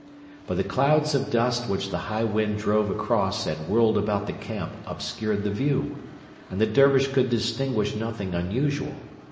But the clouds of dust which the high wind drove across or whirled about the camp obscured the view, and the Dervish could distinguish nothing unusual.